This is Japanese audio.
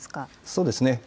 そうですね。